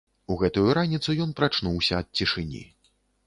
У гэтую раніцу ён прачнуўся ад цішыні.